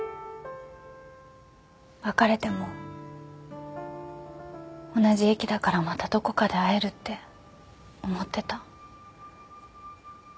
別れても同じ駅だからまたどこかで会えるって思ってた。